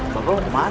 kamu kok belum datang